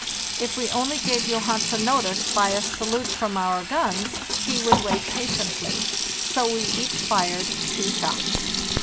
If we only gave Johansen notice by a salute from our guns he would wait patiently; so we each fired two shots.